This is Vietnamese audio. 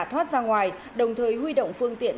thoát ra ngoài đồng thời huy động phương tiện